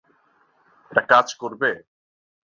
এটা কাজ করবে?